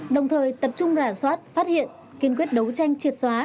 đồng thời tập trung rà soát phát hiện kiên quyết đấu tranh triệt xóa